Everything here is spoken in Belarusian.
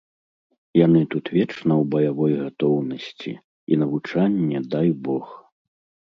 Яны тут вечна ў баявой гатоўнасці, і навучанне дай бог.